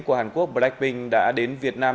của hàn quốc blackpink đã đến việt nam